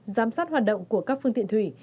giám sát hoạt động của các phương tiện thủy